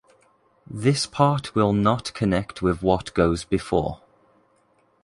This part will not connect with what goes before.